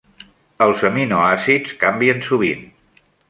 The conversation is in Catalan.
Els aminoàcids canvien sovint.